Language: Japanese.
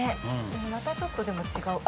またちょっとでも違う。